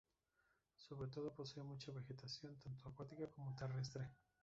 Sobre todo posee mucha vegetación, tanto acuática como terrestre.